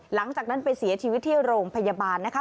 หลังจากนั้นไปเสียชีวิตที่โรงพยาบาลนะคะ